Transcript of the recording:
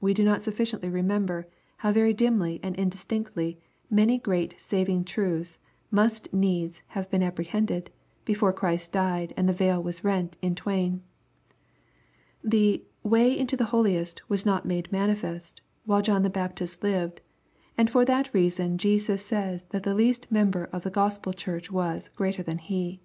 We do not sufficiently remember how very dimly and indistinctly many great saving truths must needs have been apprehended, before Christ died and the veil was rent in twain. The " way into the holiest was not made manifest," while John the Baptist lived, and for that reason Jesus says that the least member of the Gospel Church was " greater than he."